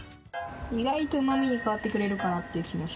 意外とうまみに変わってくれるかなっていう。